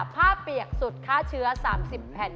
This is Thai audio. เปียกสุดฆ่าเชื้อ๓๐แผ่น